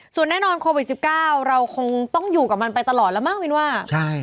ส่วนแน่นอนโควิด๑๙เราคงต้องอยู่กับมันไปตลอดแล้วมั้งมินว่า